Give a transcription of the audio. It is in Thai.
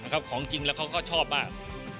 ของจริงแล้วเขาก็ชอบมาก